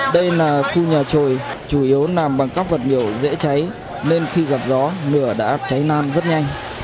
đây là khu nhà trồi chủ yếu nằm bằng các vật nhiều dễ cháy nên khi gặp gió nửa đã cháy nan rất nhanh